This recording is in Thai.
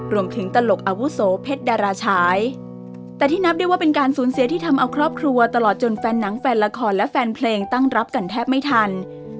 รวมถึงตลกอัวุโสเพศดาราชาย